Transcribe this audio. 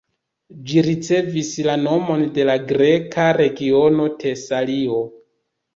Ĝi ricevis la nomon de la greka regiono Tesalio.